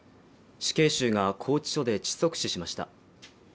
死刑囚が、拘置所で窒息死しました。